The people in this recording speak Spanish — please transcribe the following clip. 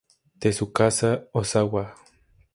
Tsukasa Ozawa